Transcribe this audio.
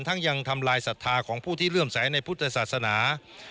ยังทำลายศรัทธาของผู้ที่เลื่อมใสในพุทธศาสนา